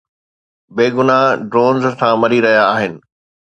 بيگناهه ڊرونز هٿان مري رهيا آهن.